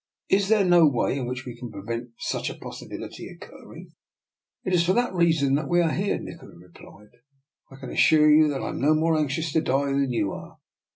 Is there no way in which we can prevent such a possibility occurring? "" It is for that reason that we are here," Nikola replied. " I can assure you I am no more anxious to die than you are.